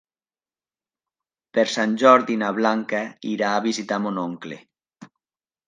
Per Sant Jordi na Blanca irà a visitar mon oncle.